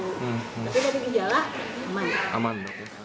tapi dari ginjala aman